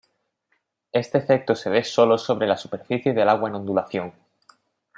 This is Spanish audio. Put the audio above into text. Este efecto se ve sólo sobre la superficie del agua en ondulación.